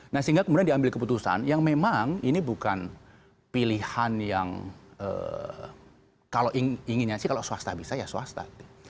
nah sehingga kemudian diambil keputusan yang memang ini bukan pilihan yang kalau inginnya sih kalau swasta bisa ya swasta